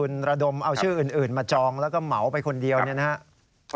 คุณระดมเอาชื่ออื่นมาจองแล้วก็เหมาไปคนเดียวเนี่ยนะครับ